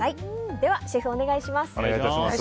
ではシェフ、お願いします。